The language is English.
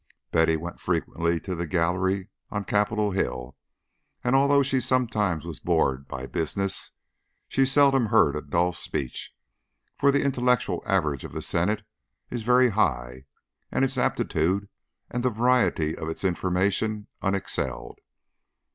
Betty went frequently to the gallery on Capitol Hill, and although she sometimes was bored by "business," she seldom heard a dull speech, for the intellectual average of the Senate is very high, and its aptitude and the variety of its information unexcelled.